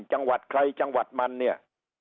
จังหวัดใครจังหวัดมันเนี่ย